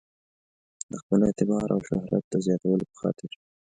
د خپل اعتبار او شهرت د زیاتولو په خاطر.